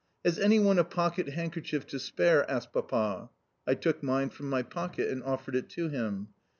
"Has anyone a pocket handkerchief to spare?" asked Papa. I took mine from my pocket and offered it to him.